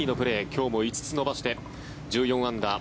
今日も５つ伸ばして１４アンダー。